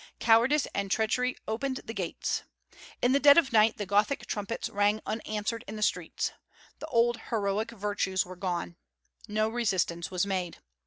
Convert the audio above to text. Cowardice and treachery opened the gates. In the dead of night the Gothic trumpets rang unanswered in the streets. The old heroic virtues were gone. No resistance was made.